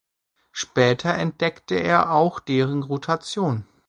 Später entdeckte er auch deren Rotation.